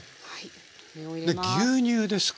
牛乳ですか？